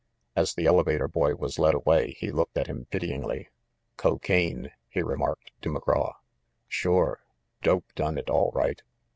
As the elevator boy was led away he looked at him pityingly. "Cocaine," he remarked to McGraw. "Sure. Dope done it, all right.